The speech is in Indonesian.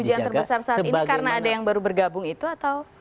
ujian terbesar saat ini karena ada yang baru bergabung itu atau